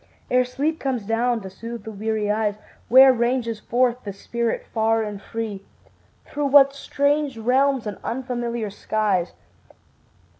Ere sleep comes down to soothe the weary eyes, Where ranges forth the spirit far and free? Through what strange realms and unfamiliar skies.